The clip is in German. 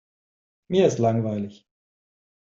Mir ist langweilig.